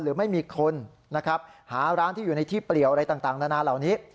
หรือไม่มีคนนะครับหาร้านที่อยู่ในที่เปลี่ยวอะไรต่างนานาเหล่านี้